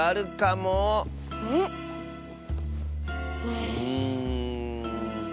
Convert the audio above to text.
うん。